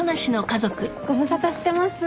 ご無沙汰してます。